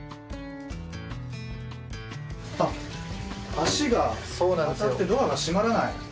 足が当たってドアが閉まらない。